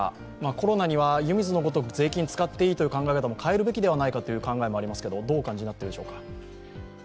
コロナには湯水のごとく税金を使っていいという考え方を変えるべきという考えもありますけど、どうお感じになっていますでしょうか？